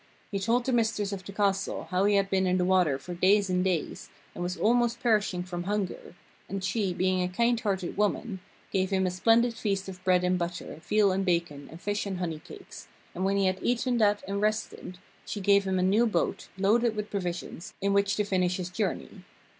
He told the mistress of the castle how he had been in the water for days and days, and was almost perishing from hunger, and she, being a kind hearted woman, gave him a splendid feast of bread and butter, veal and bacon, and fish and honey cakes, and when he had eaten that and rested, she gave him a new boat, loaded with provisions, in which to finish his journey.